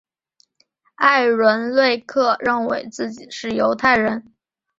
艾伦瑞克认为自己是犹太人。